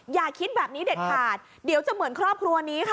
อย่าคิดแบบนี้เด็ดขาดเดี๋ยวจะเหมือนครอบครัวนี้ค่ะ